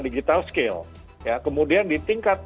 digital skill kemudian di tingkat